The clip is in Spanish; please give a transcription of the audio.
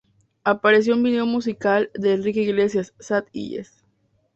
Apareció en un video musical de Enrique Iglesias, "Sad Eyes".